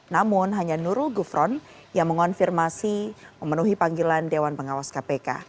namun hanya nurul gufron yang mengonfirmasi memenuhi panggilan dewan pengawas kpk